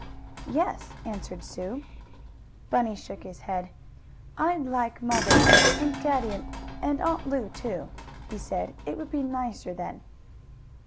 "Yes," answered Sue. Bunny shook his head. "I'd like mother, and daddy, and Aunt Lu, too," he said. "It would be nicer, then."